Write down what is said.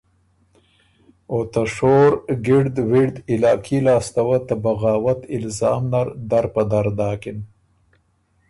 او ته شور ګِړد وِړد علاقي لاسته وه ته بغاوت الزام نر در په در داکِن۔